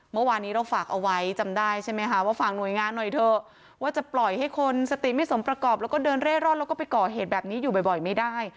เมื่อวานนี้เราฝากเอาไว้จำได้ใช่ไหมคะว่าฝากหน่วยงานหน่อยเถอะว่าจะปล่อยให้คนสติไม่สมประกอบแล้วก็เดินเร่ร่อนแล้วก็ไปก่อเหตุแบบนี้อยู่บ่อยไม่ได้